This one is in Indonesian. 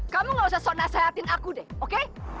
kamu nggak usah sok nasihatin aku deh oke